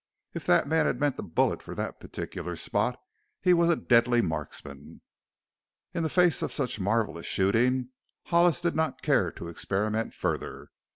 If the man had meant the bullet for that particular spot he was a deadly marksman. In the face of such marvelous shooting Hollis did not care to experiment further.